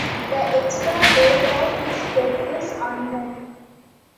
The exact date of his death is unknown.